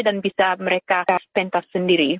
dan bisa mereka pentas sendiri